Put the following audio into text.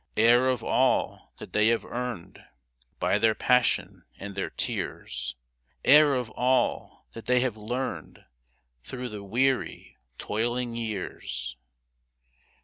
Heir of all that they have earned By their passion and their tears, — Heir of all that they have learned Through the weary, toiling years